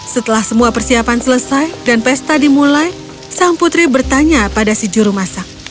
setelah semua persiapan selesai dan pesta dimulai sang putri bertanya pada si juru masak